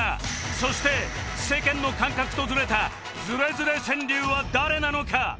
そして世間の感覚とズレたズレズレ川柳は誰なのか？